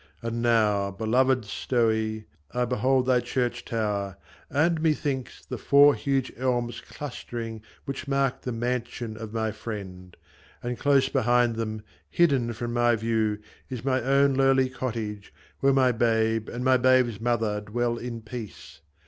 And now, belovéd Stowey ! I behold Thy church tower, and, methinks, the four huge elms Clustering, which mark the mansion of my friend ; And close behind them, hidden from my view, Is my own lowly cottage, where my babe And my babe's mother dwell in peace